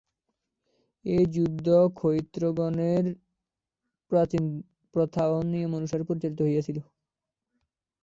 এই যুদ্ধ ক্ষত্রিয়গণের প্রাচীন প্রথা ও নিয়ম অনুসারে পরিচালিত হইয়াছিল।